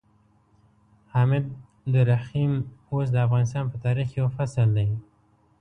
حامد درخيم اوس د افغانستان په تاريخ کې يو فصل دی.